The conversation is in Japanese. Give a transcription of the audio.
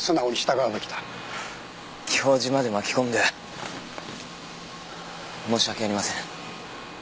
教授まで巻き込んで申し訳ありません。